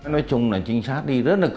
nói chung là trinh sát đi rất là khó